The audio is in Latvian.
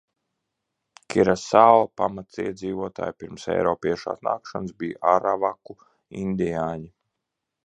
Kirasao pamatiedzīvotāji pirms eiropiešu atnākšanas bija aravaku indiāņi.